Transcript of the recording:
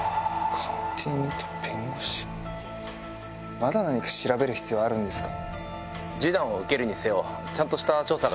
まだ何か調べる必要あるんですか？